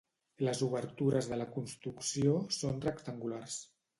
Les obertures de la construcció són rectangulars.